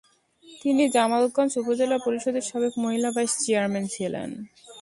তিনি জামালগঞ্জ উপজেলা পরিষদের সাবেক মহিলা ভাইস চেয়ারম্যান ছিলেন।